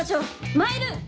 参る！